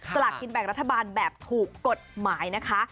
สลากกินแบ่งรัฐบาลแบบถูกกฎหมายนะคะ